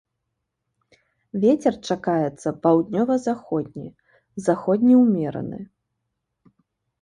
Вецер чакаецца паўднёва-заходні, заходні ўмераны.